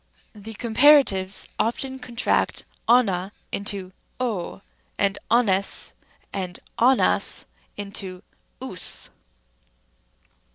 c. The comparatives often contract ova into w, and oves and. ovas into ous.